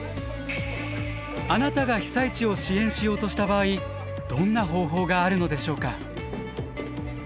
あなたが被災地を支援しようとした場合どんな方法があるのでしょうか。